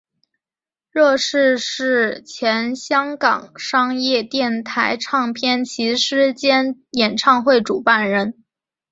乐仕是前香港商业电台唱片骑师兼演唱会主办人。